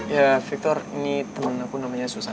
ya victor ini temen aku namanya susan